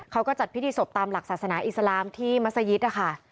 เขาก็จัดพิธีศพตามหลักศาสนาอิสลามที่มัศยิตนะคะ